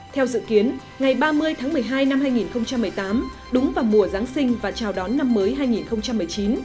theo dự kiến ngày ba mươi tháng một mươi hai năm hai nghìn một mươi tám đúng vào mùa giáng sinh và chào đón năm mới hai nghìn một mươi chín